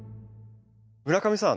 村上さん